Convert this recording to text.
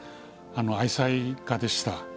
愛妻家でした。